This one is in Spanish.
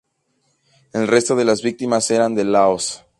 El resto de las víctimas eran de Laos.